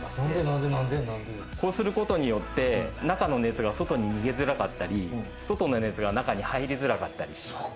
こうすることによって、中の熱が外に逃げづらかったり、外の熱が中に入りづらかったりします。